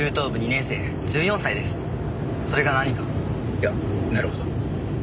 いやなるほど。